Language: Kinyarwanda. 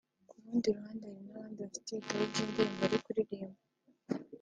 ku rundi ruhande hari n’abandi bafite ibitabo by’indirimbo bari kuririmba